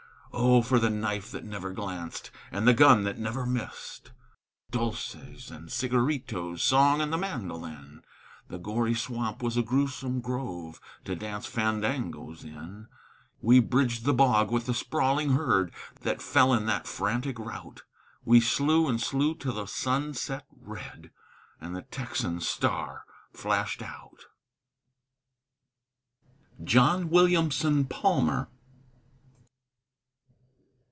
Oh, for the knife that never glanced, And the gun that never missed! Dulces and cigaritos, Song and the mandolin! That gory swamp was a gruesome grove To dance fandangos in. We bridged the bog with the sprawling herd That fell in that frantic rout; We slew and slew till the sun set red, And the Texan star flashed out. JOHN WILLIAMSON PALMER.